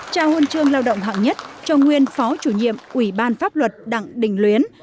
trao huân chương lao động hạng nhất cho nguyên phó chủ nhiệm ủy ban pháp luật đặng đình luyến